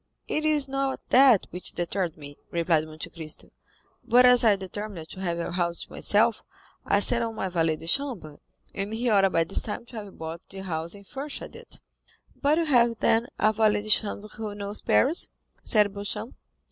"It is not that which deterred me," replied Monte Cristo; "but as I determined to have a house to myself, I sent on my valet de chambre, and he ought by this time to have bought the house and furnished it." "But you have, then, a valet de chambre who knows Paris?" said Beauchamp.